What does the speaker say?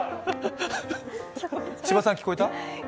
千葉さん、聞こえた？